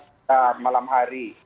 karena malam hari